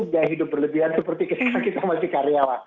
tidak hidup berlebihan seperti kita masih karyawan